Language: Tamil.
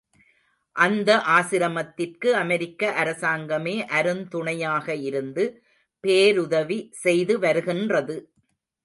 அந்த ஆசிரமத்திற்கு அமெரிக்க அரசாங்கமே அருந் துணையாக இருந்து பேருதவி செய்துவருகின்றது.